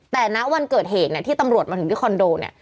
แต่นะวันเกิดเหตุที่ตำรวจมาถึงที่คอนโด